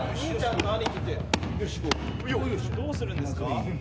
どうするんですか？